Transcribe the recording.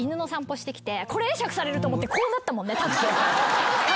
これ会釈されると思ってこうなったもんね。